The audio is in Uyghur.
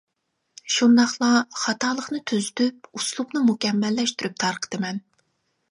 شۇنداقلا خاتالىقنى تۈزىتىپ ئۇسلۇبنى مۇكەممەللەشتۈرۈپ تارقىتىمەن.